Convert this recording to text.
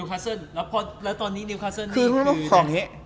คือคุณต้องถึงของเนี้ย